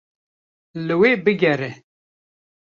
Li wê bigere.